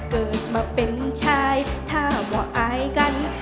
เกิดมาเป็นชายถ้าบอกอายกัน